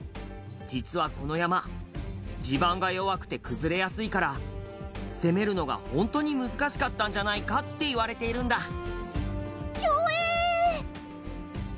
実は、この山地盤が弱くて崩れやすいから攻めるのが、本当に難しかったんじゃないかっていわれているんだひょえー！